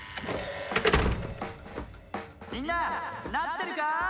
みんななってるかい？